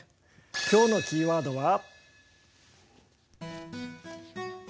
今日のキーワードは。